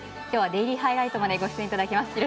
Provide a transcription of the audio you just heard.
きょうは「デイリーハイライト」までご出演いただきます。